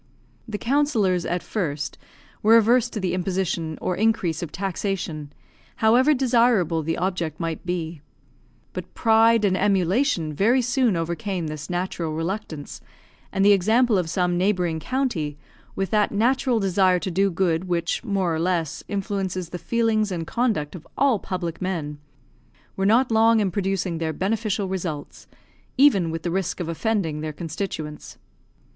The councillors, at first, were averse to the imposition or increase of taxation, however desirable the object might be; but pride and emulation very soon overcame this natural reluctance; and the example of some neighbouring county, with that natural desire to do good, which, more or less, influences the feelings and conduct of all public men, were not long in producing their beneficial results, even with the risk of offending their constituents.